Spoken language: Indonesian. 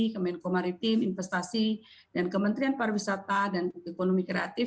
kementerian komaritim investasi dan kementerian pariwisata dan ekonomi kreatif